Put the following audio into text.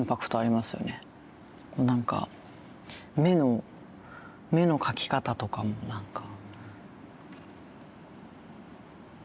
なんか目の目の描き方とかもなんか。